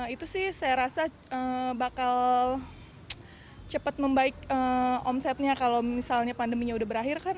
itu sih saya rasa bakal cepat membaik omsetnya kalau misalnya pandeminya udah berakhir kan